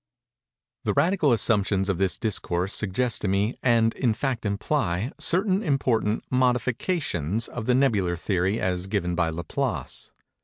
The radical assumptions of this Discourse suggest to me, and in fact imply, certain important modifications of the Nebular Theory as given by Laplace.